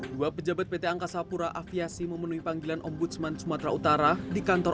dua pejabat pt angkasa pura aviasi memenuhi panggilan ombudsman sumatera utara di kantor